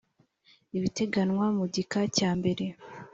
ibiteganywa mu gika cya mbere